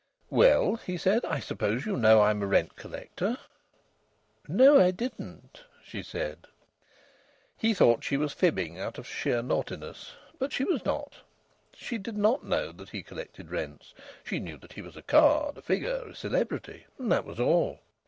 "Well," he said, "I suppose you know I'm a rent collector?" "No, I didn't," she said. He thought she was fibbing out of sheer naughtiness. But she was not. She did not know that he collected rents. She knew that he was a card, a figure, a celebrity; and that was all.